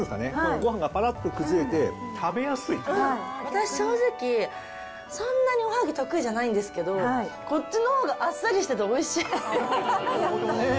ごはんがぱらっと崩私、正直、そんなにおはぎ、得意じゃないんですけど、こっちのほうがあっさりしてておいしい。